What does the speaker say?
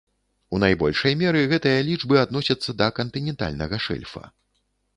У найбольшай меры гэтыя лічбы адносяцца да кантынентальнага шэльфа.